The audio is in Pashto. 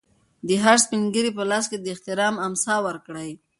د هر سپین ږیري په لاس کې د احترام امسا ورکړئ.